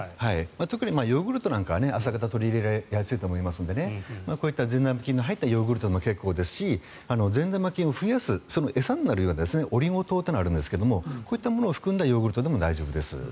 特にヨーグルトなんかは朝方取り入れやすいと思いますのでこういった善玉菌の入ったヨーグルトで結構ですし善玉菌を増やす餌になるようなオリゴ糖というのがあるんですがこういったものを含んだヨーグルトでも大丈夫です。